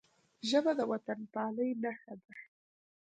ژبه د وطنپالنې نښه ده